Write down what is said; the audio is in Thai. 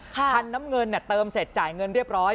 คันน้ำเงินเติมเสร็จจ่ายเงินเรียบร้อย